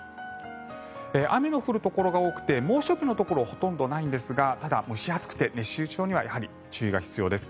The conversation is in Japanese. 雨の降るところが多くて猛暑日のところほとんどないんですがただ、蒸し暑くて熱中症にはやはり注意が必要です。